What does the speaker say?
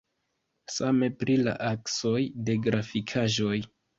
Same pri la aksoj de grafikaĵoj.